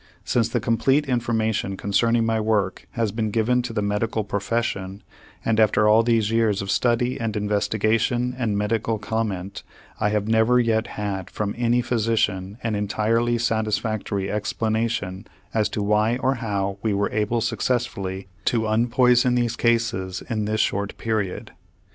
Since the complete information concerning my work has been given to the medical profession, and after all these years of study and investigation and medical comment, I have never yet had from any physician an entirely satisfactory explanation as to why or how we were able successfully to unpoison these cases in this short period.